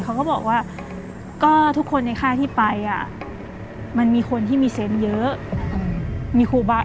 เขาก็บอกว่าก็ทุกคนในค่าที่ไปมันมีคนที่มีเซ็นต์เยอะ